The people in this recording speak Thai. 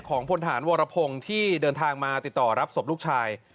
พลฐานวรพงศ์ที่เดินทางมาติดต่อรับศพลูกชาย